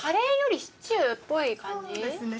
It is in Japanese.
そうですね。